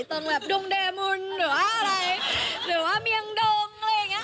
ตรงแบบดงเดมุนหรือว่าอะไรหรือว่าเบียงดงอะไรอย่างนี้